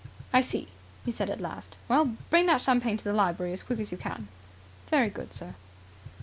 "I see," he said at last. "Well, bring that champagne to the library as quick as you can." "Very good, sir."